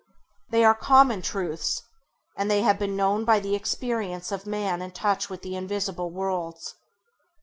They are common truths, and they have been known by the experience of man in touch with the invisible worlds.